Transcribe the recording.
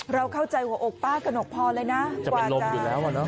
เราเข้าใจว่าป้ากระหนกพอเลยนะจะเป็นลมอยู่แล้วอ่ะเนอะ